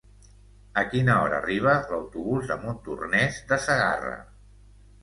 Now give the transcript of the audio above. A quina hora arriba l'autobús de Montornès de Segarra?